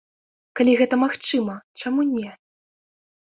Калі гэта магчыма, чаму не?